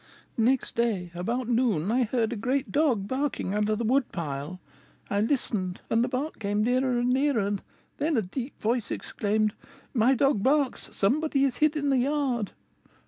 "Next day, about noon, I heard a great dog barking under the wood pile. I listened, and the bark came nearer and nearer; then a deep voice exclaimed, 'My dog barks, somebody is hid in the yard!'